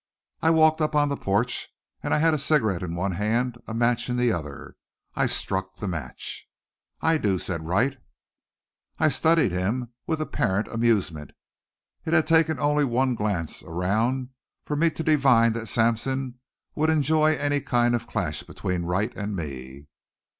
I walked up on the porch and I had a cigarette in one hand, a match in the other. I struck the match. "I do," said Wright. I studied him with apparent amusement. It had taken only one glance around for me to divine that Sampson would enjoy any kind of a clash between Wright and me.